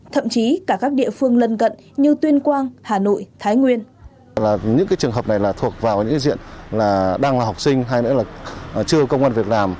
thậm chí cả các địa phương lân cận